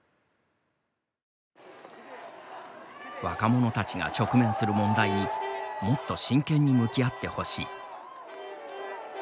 若者たちが直面する問題にもっと真剣に向き合ってほしい。